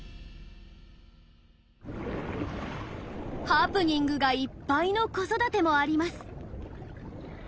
ハプニングがいっぱいの子育てもあります。